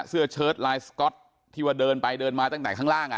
เชิดลายสก๊อตที่ว่าเดินไปเดินมาตั้งแต่ข้างล่าง